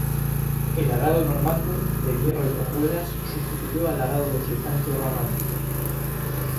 El arado normando, de hierro y con ruedas, sustituyó al arado deslizante o romano.